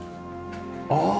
ああ！